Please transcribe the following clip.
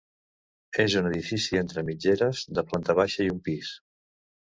És un edifici entre mitgeres, de planta baixa i un pis.